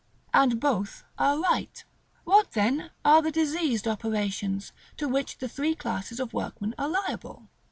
And both are right. What, then, are the diseased operations to which the three classes of workmen are liable?